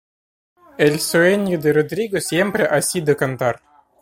El sueño de Rodrigo siempre ha sido cantar.